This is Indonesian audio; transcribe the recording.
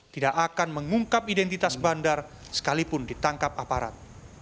tidak akan mengungkap identitas bandar sekalipun ditangkap aparat